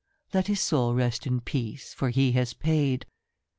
Let his soul rest in peace, for he has paid.'